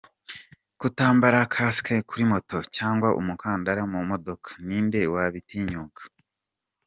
Kutambara kasike kuri moto cyangwa umukandara mu modoka, ni nde wabitinyuka!?.